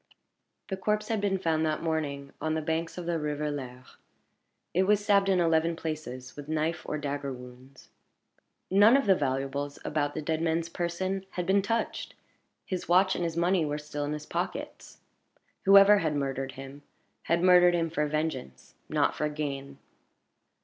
The corpse had been found that morning on the banks of the river Lers. It was stabbed in eleven places with knife or dagger wounds. None of the valuables about the dead man's person had been touched; his watch and his money were still in his pockets. Whoever had murdered him, had murdered him for vengeance, not for gain.